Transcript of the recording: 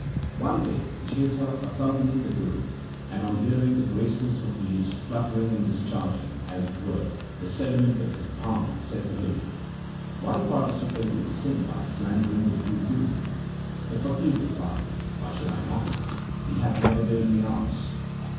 One day Jetha accompanied the Guru, and on hearing the graceless faqir spluttering and discharging, as 102 THE SIKH RELIGION it were, the sediment of his bhang, said to him, ' Why participate in sin by slandering the true Guru ?' The faqir replied, ' Why should I not ? He hath never given me alms.